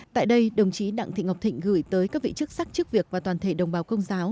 tại đây đồng chí đặng thị ngọc thịnh gửi tới các vị chức sắc chức việc và toàn thể đồng bào công giáo